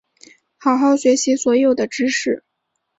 好好学习所有的知识